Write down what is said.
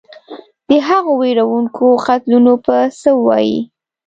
د هغو وېروونکو قتلونو به څه ووایې.